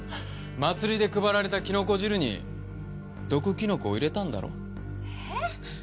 祭りで配られたキノコ汁に毒キノコを入れたんだろ？え！？